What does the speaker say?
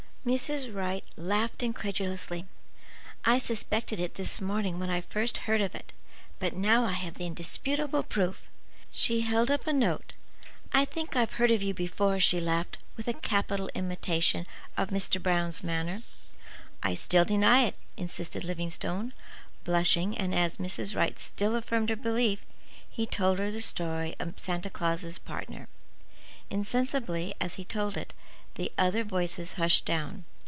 Mrs. Wright laughed incredulously. "I suspected it this morning when I first heard of it; but now I have the indisputable proof." She held up a note. "'I think I've heard of you before,'" she laughed, with a capital imitation of Mr. Brown's manner. "I still deny it," insisted Livingstone, blushing, and as Mrs. Wright still affirmed her belief, he told her the story of Santa Claus's partner. Insensibly, as he told it, the other voices hushed down.